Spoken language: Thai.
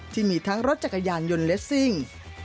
ที่มีทั้งรถจักรยานยนต์เลสซิ่ง